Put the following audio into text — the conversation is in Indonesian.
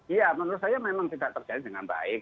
iya menurut saya memang tidak terjalin dengan baik